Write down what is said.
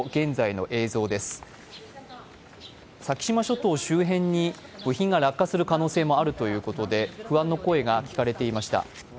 先島諸島周辺に部品が落下する可能性もあるということで不安の声が聞かれていました。